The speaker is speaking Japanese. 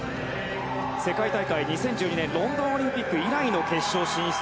世界大会２０１２年ロンドンオリンピック以来の決勝進出。